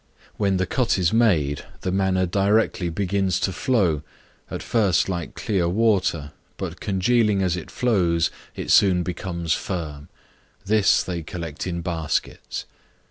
When the cut is made, the manna directly begins to flow, at first like clear water, but congealing as it flows, it soon becomes firm: this they collect in baskets.